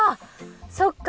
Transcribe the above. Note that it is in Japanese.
そっか。